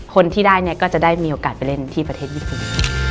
คนที่ได้เนี่ยก็จะได้มีโอกาสไปเล่นที่ประเทศญี่ปุ่น